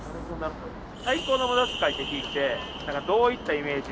「最高の無駄遣い」って聞いてなんかどういったイメージ？